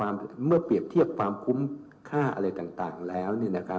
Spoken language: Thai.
เมื่อเปรียบเทียบความคุ้มค่าอะไรต่างแล้ว